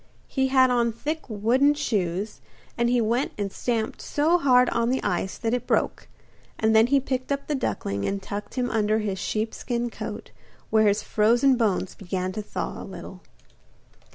He had on thick wooden shoes, and he went and stamped so hard on the ice that it broke, and then he picked up the duckling and tucked him under his sheepskin coat, where his frozen bones began to thaw a little.